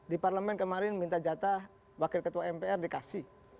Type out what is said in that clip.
di parlemen kemarin minta jatah wakil ketua mpr dikasih